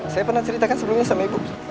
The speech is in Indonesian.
saya pernah ceritakan sebelumnya sama ibu